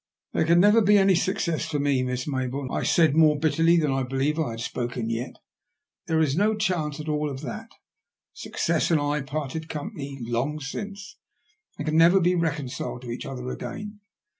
''There can never be any success for me. Miss Mayboume," I said, more bitterly than I believe I had spoken yet. There is no chance at all of that. Success and I parted company long since, and can never be reconciled to each other again.